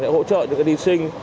sẽ hỗ trợ những cái đi sinh